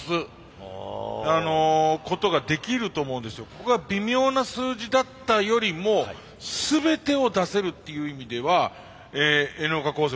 ここが微妙な数字だったよりも全てを出せるっていう意味ではＮ岡高専